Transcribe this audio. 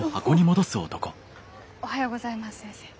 おはようございます先生。